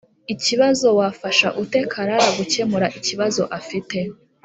Ikibazo Wafasha ute Karara gukemura ikibazo afite